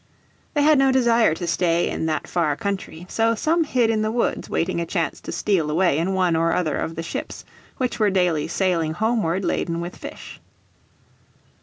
They had no desire to stay in that far country; so some hid in the woods waiting a chance to steal away in one or other of the ships which were daily sailing homeward laden with fish.